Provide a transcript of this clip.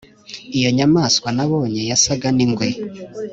Iyo nyamaswa nabonye yasaga n’ingwe,